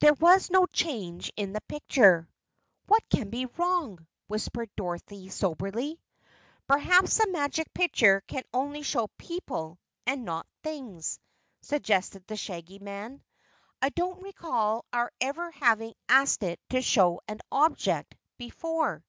There was no change in the picture. "What can be wrong?" whispered Dorothy soberly. "Perhaps the Magic Picture can only show people and not things," suggested the Shaggy Man. "I don't recall our ever having asked it to show an object before."